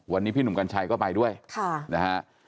วันนี้พี่หนุ่มกัญชัยก็ไปด้วยค่ะนะฮะ